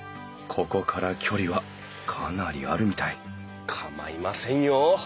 ここから距離はかなりあるみたい構いませんよ。